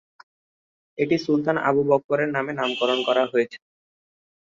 এটি সুলতান আবু বকরের নামে নামকরণ করা হয়েছে।